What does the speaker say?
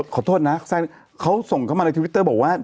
ขอโทษนะแซกเนี้ยเขาส่งเข้ามาในทิวีตเตอร์บอกว่า